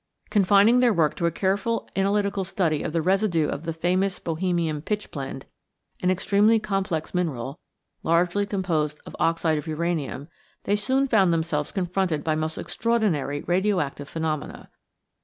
Confining their work to a careful analytical study of the residue of the famous Bohemian pitchblend an extremely complex mineral, largely composed of oxide of uranium they soon found themselves confronted by most extraordinary radio active phenomena.